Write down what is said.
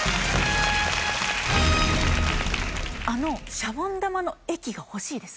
あのシャボン玉の液が欲しいです。